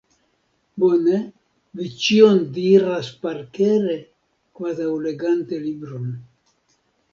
Bone vi ĉion diras parkere, kvazaŭ legante libron!